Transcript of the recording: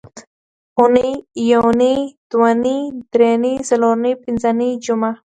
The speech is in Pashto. اونۍ، یونۍ، دونۍ، درېنۍ، څلورنۍ، پینځنۍ، جمعه